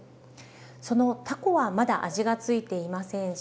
そのタコはまだ味が付いていませんし。